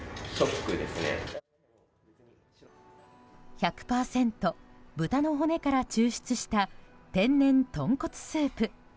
１００％豚の骨から抽出した天然豚骨スープ。